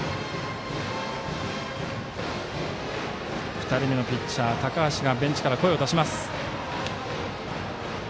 ２人目のピッチャー高橋がベンチから声を出します。